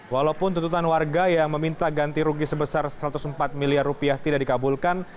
walaupun tuntutan warga yang meminta ganti rugi sebesar satu ratus empat miliar rupiah tidak dikabulkan